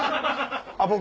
あっ僕？